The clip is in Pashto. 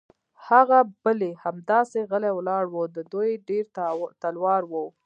هغه بل یې همداسې غلی ولاړ و، د دوی ډېر تلوار و.